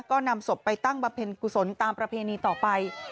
ก็นำศพไปตั้งบำเพ็ญกุศลตามประเพณีต่อไป